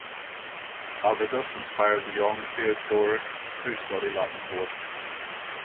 Avitus inspired the young Theodoric to study Latin poets.